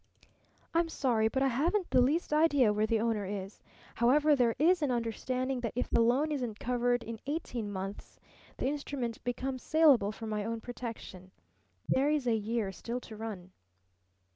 "I'm sorry, but I haven't the least idea where the owner is. However, there is an understanding that if the loan isn't covered in eighteen months the instrument becomes salable for my own protection. There is a year still to run."